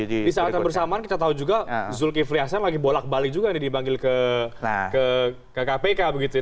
di saat yang bersamaan kita tahu juga zulkifli hasan lagi bolak balik juga nih dipanggil ke kpk begitu ya